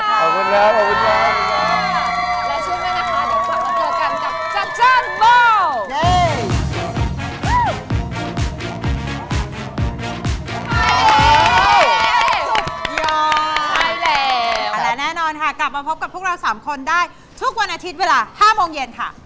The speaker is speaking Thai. ใช่แล้วและแน่นอนค่ะกลับมาพบกับพวกเรา๓คนได้ทุกวันอาทิตย์เวลา๕โมงเย็นค่ะ